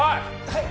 はい！